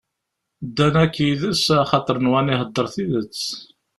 Ddan akk yid-s axaṭer nwan iheddeṛ tidett.